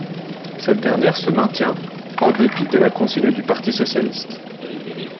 Cette dernière se maintient en dépit de la consigne du Parti socialiste.